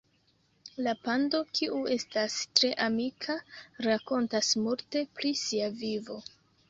La pando, kiu estas tre amika, rakontas multe pri sia vivo.